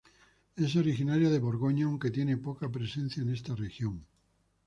Es originaria de Borgoña, aunque tiene poca presencia en esta región.